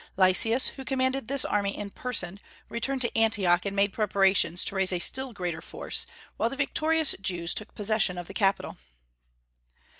Lysias, who commanded this army in person, returned to Antioch and made preparations to raise a still greater force, while the victorious Jews took possession of the capital.